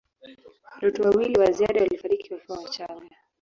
Watoto wawili wa ziada walifariki wakiwa wachanga.